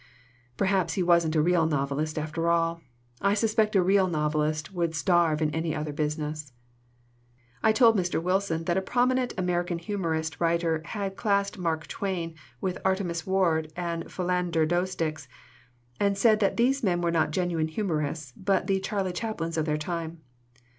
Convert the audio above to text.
"Perhaps he wasn't a real novelist, after all. I suspect a real novelist would starve in any other business." I told Mr. Wilson that a prominent American humorist writer had classed Mark Twain with Artemus Ward and Philander Doesticks, and said that these men were not genuine humorists, but "the Charlie Chaplins of their time."